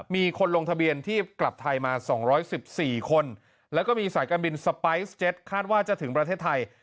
มีคนลงทะเบียนที่กลับไทยมา๒๑๔คนแล้วก็มีสายการบินสไปร์สเต็ตคาดว่าจะถึงประเทศไทย